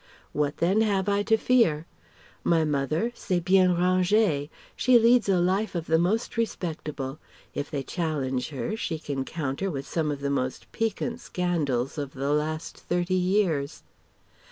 What, then, have I to fear? My mother s'est bien rangée. She leads a life of the most respectable. If they challenge her, she can counter with some of the most piquant scandals of the last thirty years.